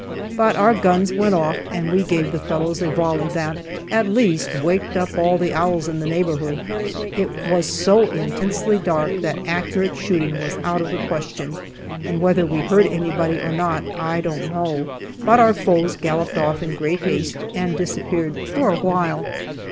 But our guns went off, and we gave the fellows a volley that, at least, waked up all the owls in the neighborhood. It was so intensely dark that accurate shooting was out of the question, and whether we hurt anybody or not I don't know, but our foes galloped off in great haste, and disappeared for a while.